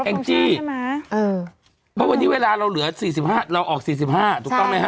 เอ็งจี่ว่าวันนี้เวลาเราเหลือ๔๕เราออก๔๕ถูกต้องไหมฮะ